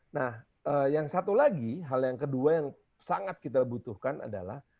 nah yang satu lagi hal yang kedua yang sangat kita butuhkan adalah